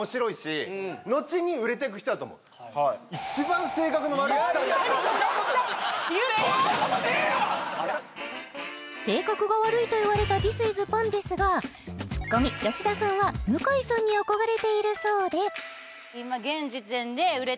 うんはいそんなこと全然性格が悪いと言われたＴＨＩＳＩＳパンですがツッコミ吉田さんは向井さんに憧れているそうで今現時点で売れ